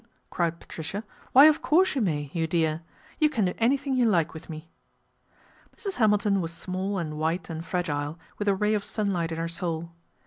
cried Patricia, " why of course you may, you dear. You can do anything you like with me." Mrs. Hamilton was small and white and fragile, with a ray of sunlight in her soul.